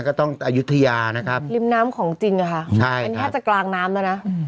อายุทยานะครับริมน้ำของจริงอะค่ะใช่มันแทบจะกลางน้ำแล้วนะ